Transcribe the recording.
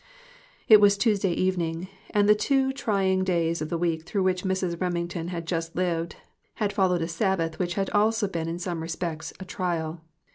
It was Tuesday evening, and the two trying days of the week through which Mrs. Remington had just lived, had followed a Sabbath which had also been in some respects a trial.